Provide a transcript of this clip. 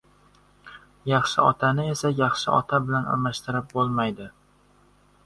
Yaxshi otani esa yaxshi ota bilan almashtirib bo‘lmaydi.